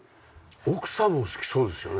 奥さんも好きそうですよね。